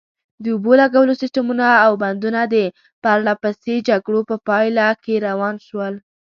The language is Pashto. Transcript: د اوبو لګولو سیسټمونه او بندونه د پرلپسې جګړو په پایله کې وران شول.